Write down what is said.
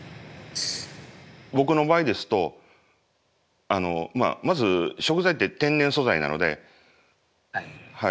僕の場合ですとまず食材って天然素材なのではい。